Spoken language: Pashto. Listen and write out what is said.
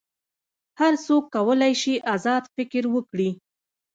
هر څوک کولی شي آزاد فکر وکړي.